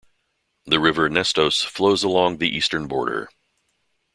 The river Nestos flows along the eastern border.